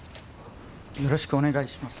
よろしくお願いします。